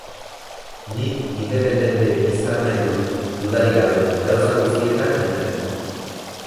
Nik independente izan nahi dut, dudarik gabe, gauza guztietan gainera.